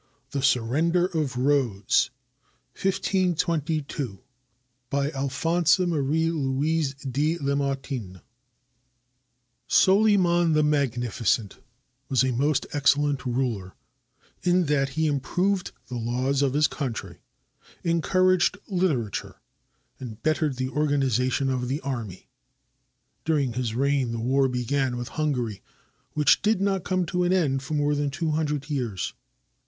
THE SURRENDER OF RHODES BY ALPHONSE MARIE LOUIS DE LAMARTINE [SoLYMAN THE MAGNIFICENT WES a most excellent ruler in that he improved the laws of his country, encouraged litera ture, and bettered the organization of the army. During his reign the war began with Hungary which did not come to an end for more than two hundred years.